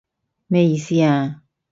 咩意思啊？